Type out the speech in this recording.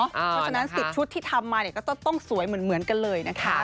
เพราะฉะนั้น๑๐ชุดที่ทำมาก็ต้องสวยเหมือนกันเลยนะคะ